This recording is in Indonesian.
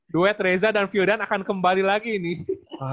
duet reza dan fiodan akan kembali lagi nih